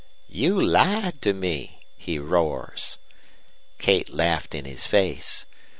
"'You lied to me,' he roars. "Kate laughed in his face.